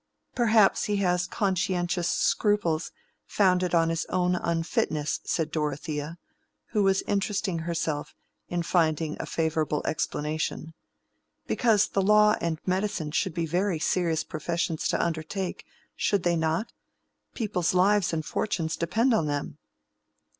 "Perhaps he has conscientious scruples founded on his own unfitness," said Dorothea, who was interesting herself in finding a favorable explanation. "Because the law and medicine should be very serious professions to undertake, should they not? People's lives and fortunes depend on them."